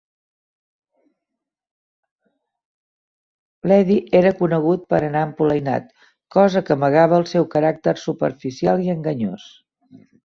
L'Eddie era conegut per anar empolainat; cosa que amagava el seu caràcter superficial i enganyós.